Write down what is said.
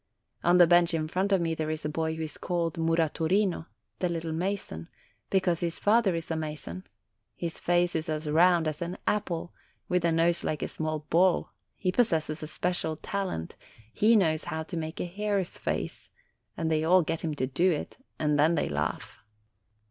On the bench in front of me there is a boy who is called Muratorino ("the little mason") because his father is a mason: his face is as round as an apple, with a nose like a small ball; he possesses a special talent: he knows how to make a hare's face, and they all get him to do it, and then they laugh.